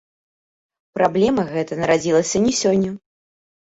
Праблема гэта нарадзілася не сёння.